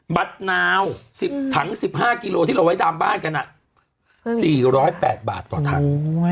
บัตรนาว๑๐ถัง๑๕กิโลที่เราไว้ตามบ้านกัน๔๐๘บาทต่อถัง